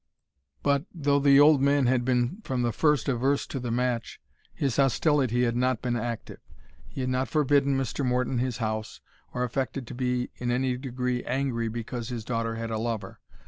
But, though the old man had been from the first averse to the match, his hostility had not been active. He had not forbidden Mr. Morton his house, or affected to be in any degree angry because his daughter had a lover.